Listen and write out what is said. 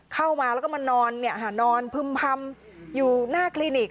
เข้ามาแล้วก็มานอนเนี่ยหานอนพึ่มพรรมอยู่หน้าคลินิก